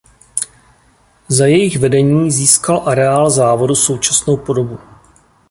Za jejich vedení získal areál závodu současnou podobu.